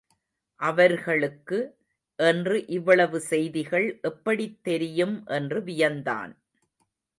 அவர்களுக்கு என்று இவ்வளவு செய்திகள் எப்படித் தெரியும் என்று வியந்தான்.